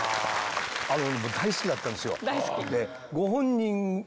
僕大好きだったんですよ。